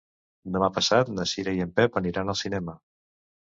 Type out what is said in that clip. Demà passat na Cira i en Pep aniran al cinema.